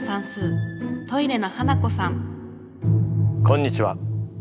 こんにちは。